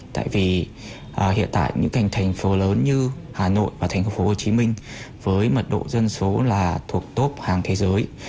tại vì hiện tại những thành phố lớn như hà nội và thành phố hồ chí minh với mật độ dân số là thuộc top hàng thế giới